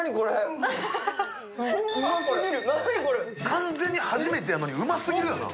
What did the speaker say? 完全に初めてやのにうますぎるな。